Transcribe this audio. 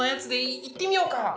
いってみますか？